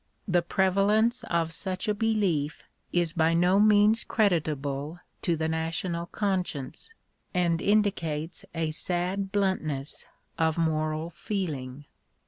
The prevalence of such a belief is by no means creditable to the national conscience, and indicates a sad bluntness of moral feeling.